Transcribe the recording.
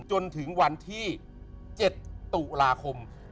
จนถึงวันที่๗ตุลาคม